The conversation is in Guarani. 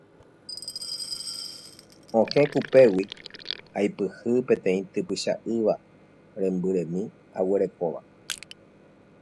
Okẽ kupégui aipyhy peteĩ typycha ýva rembyremi aguerekóva.